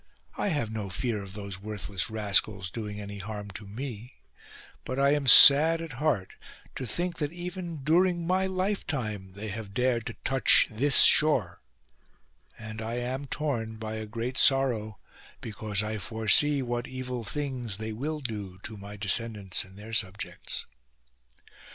I have no fear of those worthless rascals doing any harm to me ; but I am sad at heart to think that even during my lifetime they have dared to touch this shore ; and I am torn by a great sorrow because I foresee what evil things they will do to my descendants and their subjects."